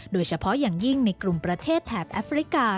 โดยเฉพาะอย่างยิ่งในกลุ่มประเทศแถบแอฟริกา